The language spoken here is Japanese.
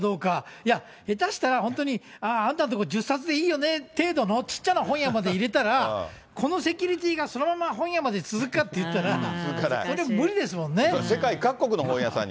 いや、下手したら本当、あんたんとこ、１０冊でいいよね程度のちっちゃな本屋迄入れたら、このセキュリティーがそのまま本屋まで続くかっていったら、そり世界各国の本屋さんに。